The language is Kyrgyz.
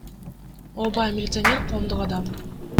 Ооба, милиционер — коомдук адам.